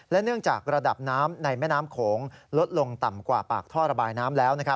เนื่องจากระดับน้ำในแม่น้ำโขงลดลงต่ำกว่าปากท่อระบายน้ำแล้ว